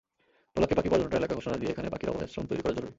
ভোলাকে পাখি-পর্যটন এলাকা ঘোষণা দিয়ে এখানে পাখির অভয়াশ্রম তৈরি করা জরুরি।